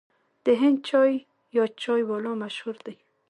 د هند چای یا چای والا مشهور دی.